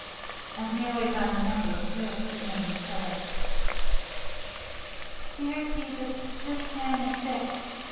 As nearly as I remember, this was Mamie's prayer: "Dear Jesus, this man is sick.